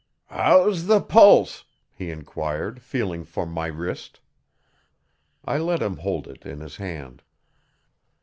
'How's the pulse?' he enquired, feeling for my wrist. I let him hold it in his hand.